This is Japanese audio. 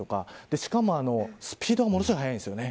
しかもスピードがものすごい早いんです。